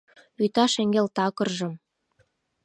Вӱта шеҥгел такыржым